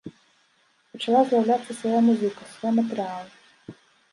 Пачала з'яўляцца свая музыка, свой матэрыял.